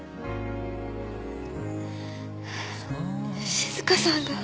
静香さんが。